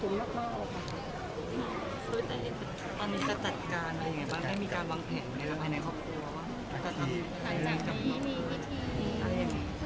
ตอนนี้จะจัดการอะไรยังไงบ้างให้มีการวางแผ่นในครอบครัว